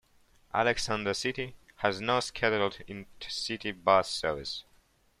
Alexander City has no scheduled intercity bus service.